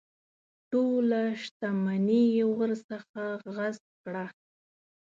ټوله شته مني یې ورڅخه غصب کړه.